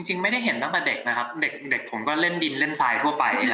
จริงไม่ได้เห็นตั้งแต่เด็กนะครับเด็กผมก็เล่นดินเล่นทรายทั่วไป